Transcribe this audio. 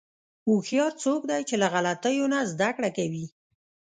هوښیار څوک دی چې له غلطیو نه زدهکړه کوي.